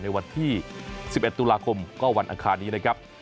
ในวันที่๑๑ตุลาคมก็วันอังคารนี้นะครับ